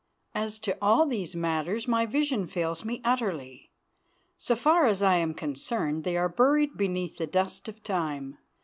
As to all these matters my vision fails me utterly. So far as I am concerned, they are buried beneath the dust of time.